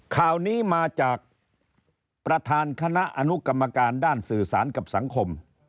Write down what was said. ข่าวนี้มาจากประธานคณะอนุกรรมการด้านสื่อสารกับสังคม